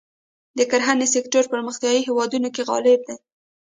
د کرهڼې سکتور پرمختیايي هېوادونو کې غالب دی.